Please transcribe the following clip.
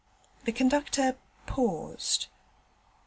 The conductor paused.